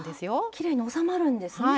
きれいに収まるんですね。